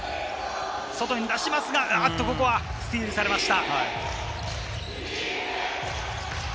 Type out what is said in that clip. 外に出しますが、スティールされました。